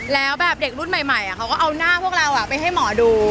แล้วแบบเด็กรุ่นใหม่เขาก็เอาหน้าพวกเราไปให้หมอดู